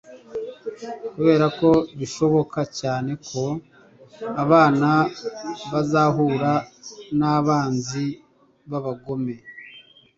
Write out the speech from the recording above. kubera ko bishoboka cyane ko abana bazahura n'abanzi b'abagome